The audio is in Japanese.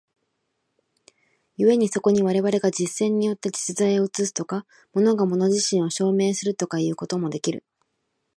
故にそこに我々が実践によって実在を映すとか、物が物自身を証明するとかいうこともできる。